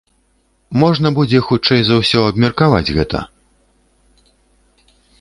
Можна будзе, хутчэй за ўсё, абмеркаваць гэта.